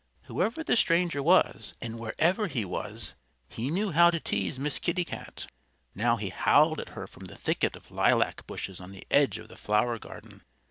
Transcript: Whoever the stranger was, and wherever he was, he knew how to tease Miss Kitty Cat. Now he howled at her from the thicket of lilac bushes on the edge of the flower garden.